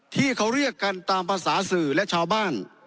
ที่เขาเรียกกันตามภาษาสื่อและชาวบ้าน